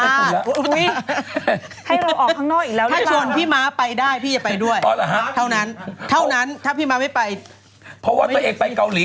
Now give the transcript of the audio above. ถ้าพีคจะมอบให้กูแล้วแกหมอบมาจะตี